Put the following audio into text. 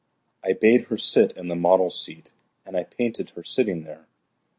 I bade her sit in the model's seat And I painted her sitting there.